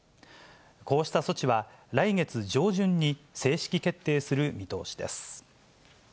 こうした措置は、来月上旬に正式決定する見通しです。